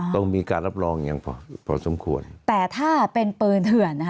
ต้องมีการรับรองอย่างพอพอสมควรแต่ถ้าเป็นปืนเถื่อนนะคะ